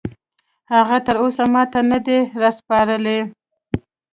هغه تراوسه ماته نه دي راسپارلي